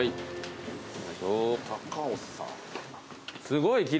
すごい霧。